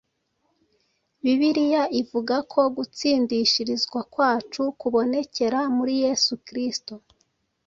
Bibiliya ivuga ko gutsindishirizwa kwacu kubonekera muri Yesu Kristo